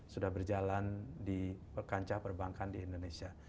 sudah berjalan di kancah perbankan di indonesia